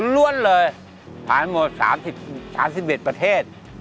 รวดเลยผ่านทั้งหมด๓๑ประเทศ